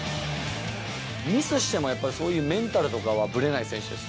ミスしても、やっぱりそういうメンタルとかはぶれない選手です。